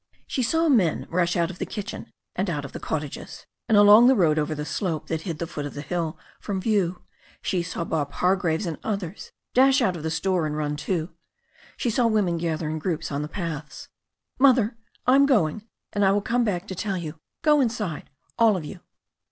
She saw men rush out of the kitchen and out of the cottages, and along the road over the slope that hid the foot of the hill from view. She saw Bob Hargraves and others dash out of the store and run too. She saw women gather in groups on the paths. "Mother, Tm going, and I will come back and tell you. Go inside, all of you."